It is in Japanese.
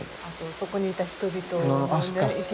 そこにいた人々のね